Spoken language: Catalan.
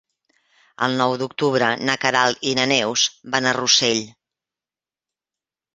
El nou d'octubre na Queralt i na Neus van a Rossell.